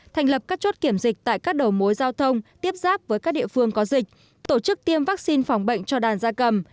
thành lập các chốt kiểm dịch tại các đầu mối giao thông tiếp giáp với các địa phương có dịch tổ chức tiêm vaccine phòng bệnh cho đàn gia cầm